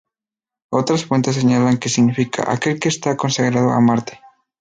Otras fuentes señalan que significa "aquel que está consagrado a Marte".